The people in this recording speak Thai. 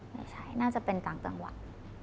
ไม่ใช่น่าจะเป็นต่างจังหวัด